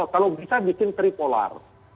kalau bisa bikin tripolar